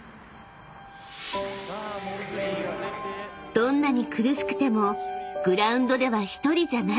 ［どんなに苦しくてもグラウンドでは１人じゃない］